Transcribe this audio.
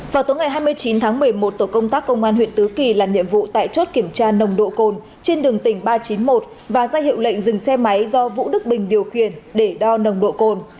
vào tối ngày hai mươi chín tháng một mươi một tổ công tác công an huyện tứ kỳ làm nhiệm vụ tại chốt kiểm tra nồng độ cồn trên đường tỉnh ba trăm chín mươi một và ra hiệu lệnh dừng xe máy do vũ đức bình điều khiển để đo nồng độ cồn